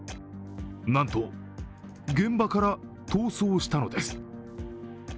なんと、現場から逃走したのです。